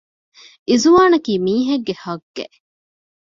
އިޒުވާނަކީ މީހެއްގެ ހައްޤެއް